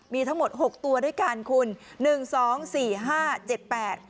มีทั้งหมดหกตัวด้วยกันคุณหนึ่งสองสี่ห้าเจ็ดแปด